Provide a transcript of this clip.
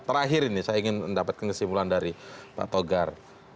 terakhir ini saya ingin mendapatkan kesimpulan dari pak togar